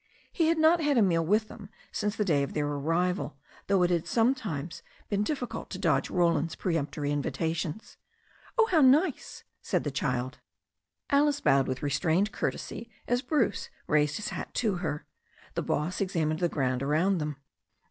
He had not had a meal with them since the day of their arrival, though it had sometimes been difficult to dodge Roland's peremp tory invitations. "Oh, how nice," said the child. THE STORY OF A NEW ZEALAND BIVER 6i Alice bowed with restrained courtesy as Bruce raised his hat to her. The boss examined the ground around them.